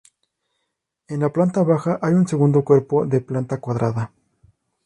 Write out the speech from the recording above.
En la planta baja hay un segundo cuerpo de planta cuadrada.